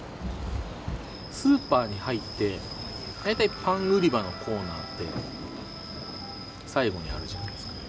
スーパーに入って大体パン売り場のコーナーって最後にあるじゃないですか。